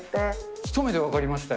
一目で分かりましたよ。